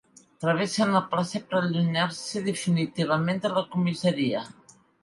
Travessen la plaça per allunyar-se definitivament de la comissaria.